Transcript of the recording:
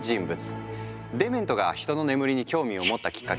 デメントが人の眠りに興味を持ったきっかけは１９５２年。